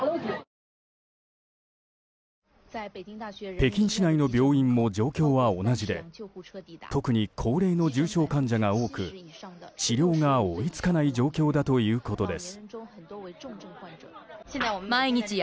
北京市内の病院も状況は同じで特に高齢の重症患者が多く治療が追いつかない状況だということです。